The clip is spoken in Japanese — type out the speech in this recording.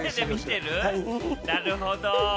なるほど。